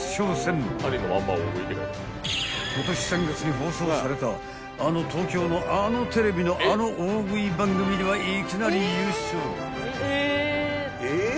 ［今年３月に放送されたあの東京のあのテレビのあの大食い番組ではいきなり優勝］